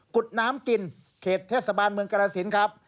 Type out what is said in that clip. ดน้ำกินเขตเทศบาลเมืองกรสินครับ